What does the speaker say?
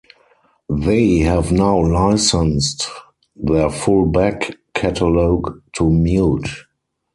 They have now licensed their full back catalogue to Mute.